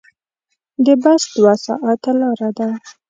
د بس دوه ساعته لاره ده.